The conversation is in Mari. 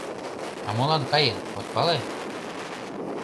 — А молан каен, от пале?